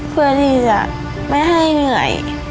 เพื่อที่จะไม่ให้เหนื่อย